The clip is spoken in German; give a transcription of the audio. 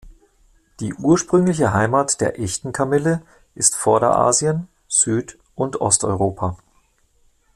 Die ursprüngliche Heimat der Echten Kamille ist Vorderasien, Süd- und Osteuropa.